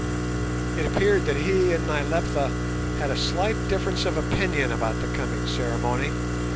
It appeared that he and Nyleptha had a slight difference of opinion about the coming ceremony.